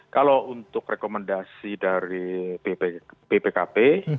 kalau untuk rekomendasi dari bpkp